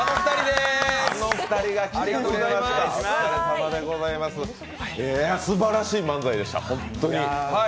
すばらしい漫才でした、ホントに。